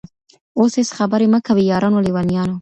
اوس هيڅ خبري مه كوی يارانو ليـونيانـو